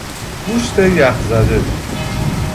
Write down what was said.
گوشت یخ زده